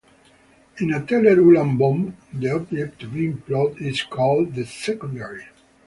In a Teller-Ulam bomb, the object to be imploded is called the "secondary".